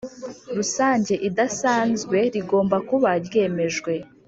Rusange Idasanzwe rigomba kuba ryemejwe